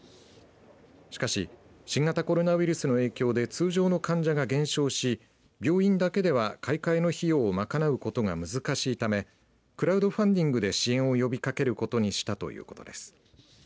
しかし、新型コロナウイルスの影響で通常の患者が減少し病院だけでは買い替えの費用を賄うことが難しいためクラウドファンディングで支援を呼びかけることにしたということです。